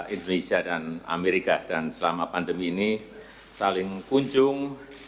indonesia dan amerika dan selama pandemi ini saling kunjung